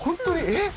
えっ！